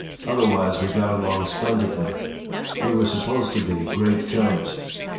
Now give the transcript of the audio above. Otherwise we got along splendidly. We were supposed to be great chums.